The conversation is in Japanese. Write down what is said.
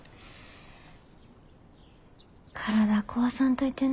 体壊さんといてな。